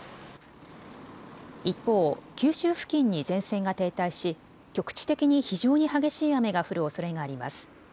一方、九州付近に前線が停滞し局地的に非常に激しい雨が降るおそれがあります。